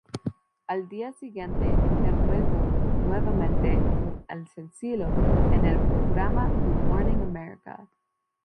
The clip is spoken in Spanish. Al día siguiente interpretó nuevamente el sencillo en el programa "Good Morning America".